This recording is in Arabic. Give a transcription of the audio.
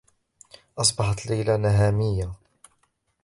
أصبحت ليلى نهاميّة.